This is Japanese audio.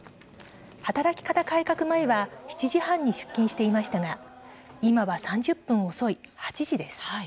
働き方改革前は７時半に出勤していましたが今は３０分遅い８時です。